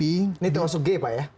ini termasuk g pak ya